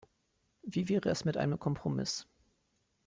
Wie wäre es mit einem Kompromiss?